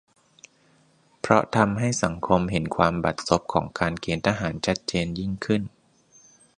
เพราะทำให้สังคมเห็นความบัดซบของการเกณฑ์ทหารชัดเจนยิ่งขึ้น